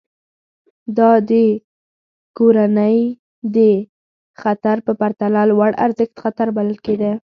دا د کورنۍ د خطر په پرتله لوړارزښت خطر بلل کېده.